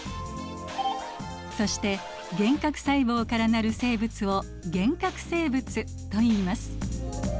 そして原核細胞から成る生物を原核生物といいます。